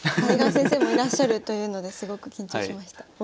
谷川先生もいらっしゃるというのですごく緊張しました。